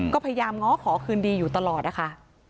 ก็พยายามง้อขอคืนดีอยู่ตลอดนะคะ